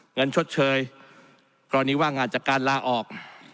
ชดเชยกรณีว่างงานจากการลาออก